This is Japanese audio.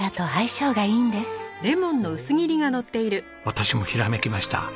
私もひらめきました。